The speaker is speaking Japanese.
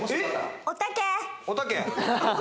おたけ。